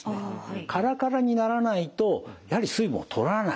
カラカラにならないとやはり水分をとらない。